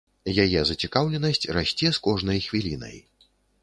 Яе зацікаўленасць расце з кожнай хвілінай.